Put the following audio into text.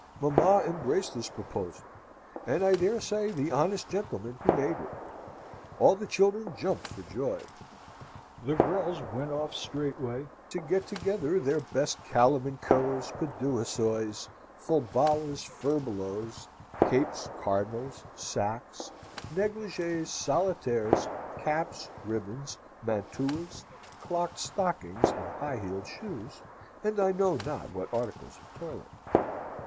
Mamma embraced this proposal, and I dare say the honest gentleman who made it. All the children jumped for joy. The girls went off straightway to get together their best calamancoes, paduasoys, falbalas, furbelows, capes, cardinals, sacks, negligees, solitaires, caps, ribbons, mantuas, clocked stockings, and high heeled shoes, and I know not what articles of toilet.